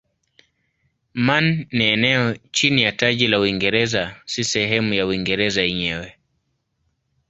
Man ni eneo chini ya taji la Uingereza si sehemu ya Uingereza yenyewe.